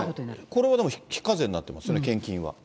これはでも非課税になってますよね。